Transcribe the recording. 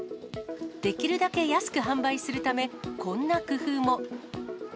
できるだけ安く販売するため、こんな工夫も。